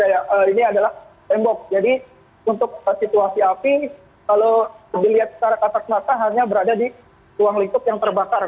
jadi untuk situasi api kalau dilihat secara katak katak hanya berada di ruang lingkup yang terbakar